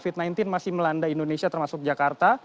covid sembilan belas masih melanda indonesia termasuk jakarta